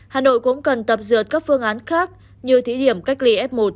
hà nội cũng cần tập dượt các phương án khác như thí điểm cách ly f một